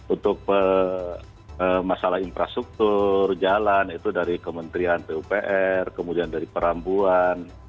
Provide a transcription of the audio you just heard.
untuk masalah infrastruktur jalan itu dari kementerian pupr kemudian dari perambuan